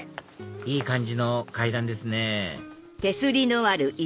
いい感じの階段ですね